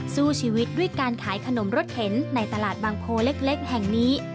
สู้ชีวิตด้วยการขายขนมรถเข็นในตลาดบางโพเล็กแห่งนี้